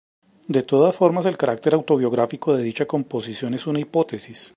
De todas formas, el carácter autobiográfico de dicha composición es una hipótesis.